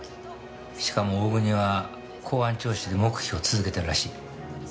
しかも大國は公安聴取で黙秘を続けてるらしい。